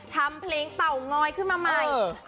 ทำเพลงเต่างอยขึ้นมาใหม่